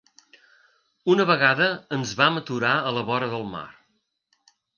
Una vegada ens vam aturar a la vora del mar.